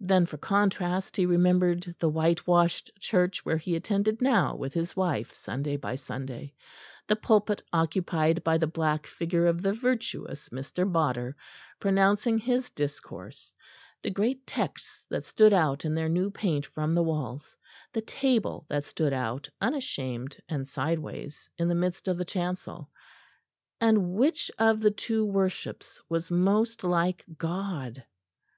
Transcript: Then for contrast he remembered the whitewashed church where he attended now with his wife, Sunday by Sunday, the pulpit occupied by the black figure of the virtuous Mr. Bodder pronouncing his discourse, the great texts that stood out in their new paint from the walls, the table that stood out unashamed and sideways in the midst of the chancel. And which of the two worships was most like God?...